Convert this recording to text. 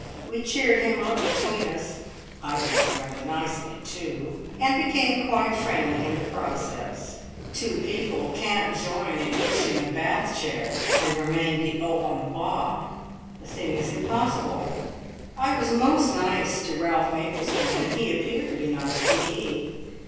We cheered him up between us (I did it rather nicely, too!) and became quite friendly in the process. Two people can't join in pushing a bath chair and remain de haut en bas. The thing is impossible. I was most nice to Ralph Maplestone, and he appeared to be nice to me.